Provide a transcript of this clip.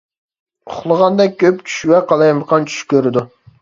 ئۇخلىغاندا كۆپ چۈش ۋە قالايمىقان چۈش كۆرىدۇ.